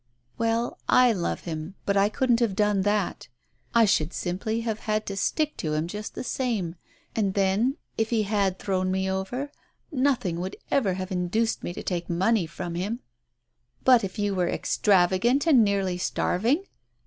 "Well, I love him, but I couldn't have done that 1 I should simply have had to stick to him just the same. And then — if he had thrown me over, nothing would ever have induced me to take money from him !" "But if you were extravagant and nearly starving?"